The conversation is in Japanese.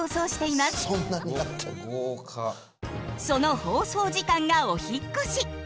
その放送時間がお引っ越し！